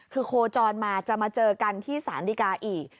คือโคจรมาจะมาเจอกันที่สารดีกาอีก